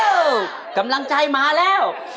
กำลังใจมาแล้ว